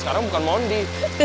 sekarang bukan mondi